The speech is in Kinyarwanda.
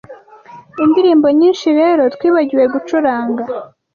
Indirimbo nyinshi rero twibagiwe gucuranga